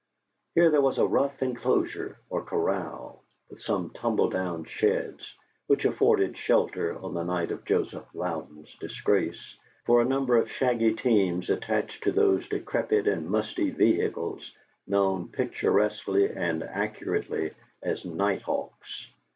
Here there was a rough enclosure, or corral, with some tumble down sheds which afforded shelter, on the night of Joseph Louden's disgrace, for a number of shaggy teams attached to those decrepit and musty vehicles known picturesquely and accurately as Night Hawks.